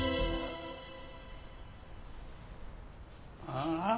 ああ？